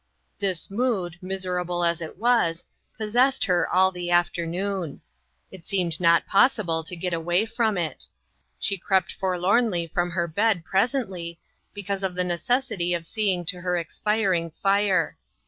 This mood, miserable as it was, possessed her all the afternoon. It seemed not possi ble to get away from it. She crept for lornly from her bed presently, because of the necessity of seeing to her expiring fire.